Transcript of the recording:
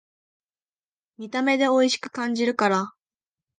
見た目でおいしく感じるから